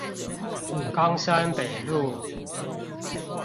岡山北路